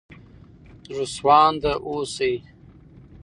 زړه سوانده اوسئ.